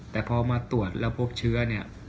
แต่พอมาตรวจแล้วพบเชื้อ